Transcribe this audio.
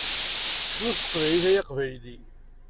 Cnu s teqbaylit ay aqbayli!